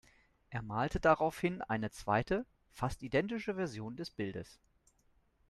Er malte darauf hin eine zweite, fast identische Version des Bildes.